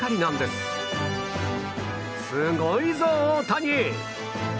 すごいぞ、大谷！